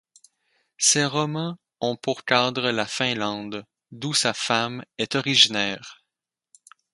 Ses romans ont pour cadre la Finlande, d’où sa femme est originaire.